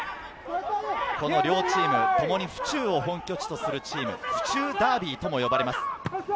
両チームともに府中を本拠地とするチーム、府中ダービーとも呼ばれます。